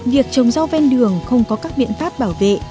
việc trồng rau ven đường không có các biện pháp bảo vệ